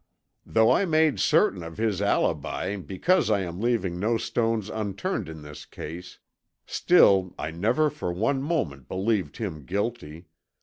"Though I made certain of his alibi because I am leaving no stones unturned in this case, still I never for one moment believed him guilty.